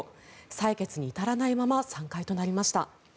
採決に至らないまま散会となりました。